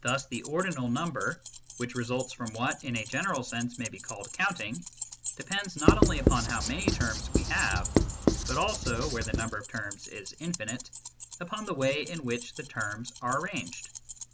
Thus the ordinal number, which results from what, in a general sense may be called counting, depends not only upon how many terms we have, but also (where the number of terms is infinite) upon the way in which the terms are arranged.